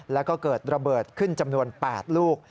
แล้วก็เกิดระเบิดขึ้นจำนวน๘ลูก